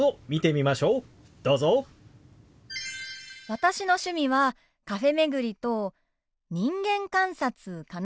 私の趣味はカフェ巡りと人間観察かな。